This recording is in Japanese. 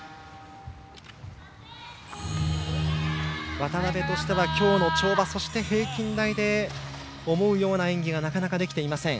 渡部としては今日の跳馬そして平均台で思うような演技がなかなかできていません。